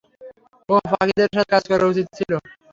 ওহ, পাখিদের সাথে কাজ করা উচিত ছিল।